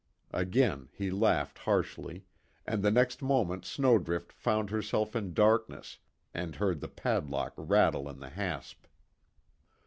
Again he laughed harshly, and the next moment Snowdrift found herself in darkness, and heard the padlock rattle in the hasp.